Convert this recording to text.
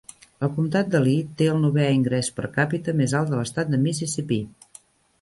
El comtat de Lee té el novè ingrés per càpita més alt de l'Estat de Mississipí.